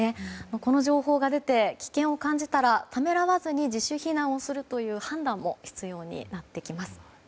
この情報が出て、危険を感じたらためらわずに自主避難をする判断も必要になってきます。